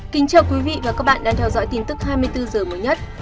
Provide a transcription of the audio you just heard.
kính chào quý vị và các bạn đang theo dõi tin tức hai mươi bốn h mới nhất